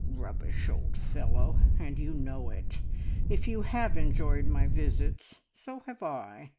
"Rubbish, old fellow! And you know it. If you have enjoyed my visits, so have I.